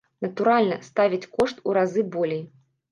Натуральна, ставяць кошт у разы болей.